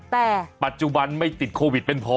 แต่ปัจจุบันไม่ติดโควิดเป็นพอ